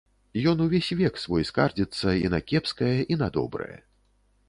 Ён увесь век свой скардзіцца і на кепскае і на добрае.